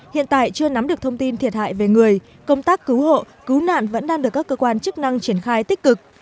hiện tại chưa nắm được thông tin thiệt hại về người công tác cứu hộ cứu nạn vẫn đang được các cơ quan chức năng triển khai tích cực